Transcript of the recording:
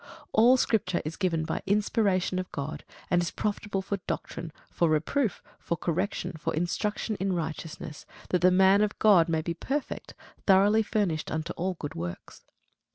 All scripture is given by inspiration of God, and is profitable for doctrine, for reproof, for correction, for instruction in righteousness: that the man of God may be perfect, throughly furnished unto all good works.